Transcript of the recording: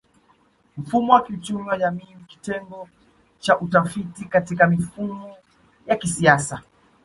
Mfumo wa kiuchumi wa jamii ni kitengo cha utafiti Katika mifumo ya kisasa